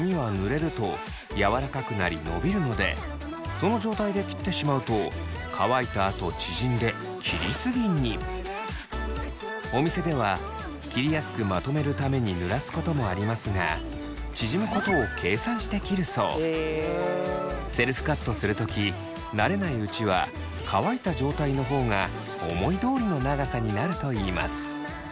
その状態で切ってしまうと乾いたあと縮んでお店では切りやすくまとめるためにぬらすこともありますがセルフカットする時慣れないうちは乾いた状態の方が思いどおりの長さになるといいます。